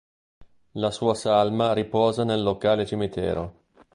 La sua salma riposa nel locale cimitero.